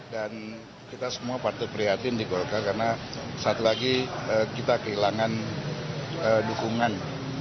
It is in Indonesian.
dan kita semua partai prihatin di golkar karena saat lagi kita kehilangan dukungan